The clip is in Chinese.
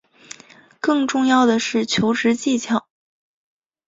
更重要的是求职技巧